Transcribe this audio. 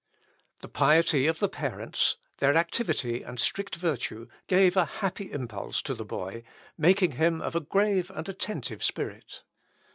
The piety of the parents, their activity and strict virtue, gave a happy impulse to the boy, making him of a grave and attentive spirit.